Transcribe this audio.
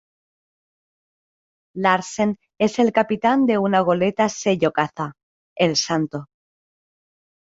Larsen es el capitán de una goleta sello caza, el Santo.